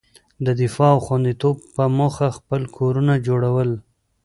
د دفاع او خوندیتوب په موخه خپل کورونه جوړول.